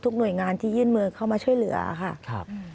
ทุกหน่วยงานที่ยื่นมือเข้ามาเช่าเหลือค่ะ